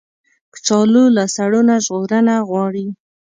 کچالو له سړو نه ژغورنه غواړي